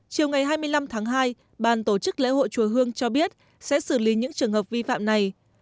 chiều ngày hai mươi năm tháng hai bàn tổ chức lễ hội chùa hương cho biết sẽ xử lý những trường hợp vi phạm này